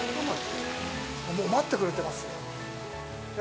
もう待ってくれてますよ。